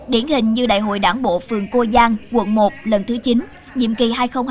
điển hình như đại hội đảng bộ phường cô giang quận một lần thứ chín nhiệm kỳ hai nghìn hai mươi hai nghìn hai mươi năm